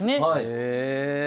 へえ。